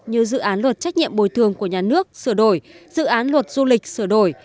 như dự án luật trách nhiệm bồi thường của nhà nước sửa đổi dự án luật du lịch sửa đổi